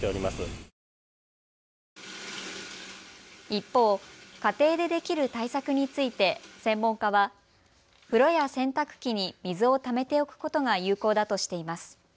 一方、家庭でできる対策について専門家は風呂や洗濯機に水をためておくことが有効だとしています。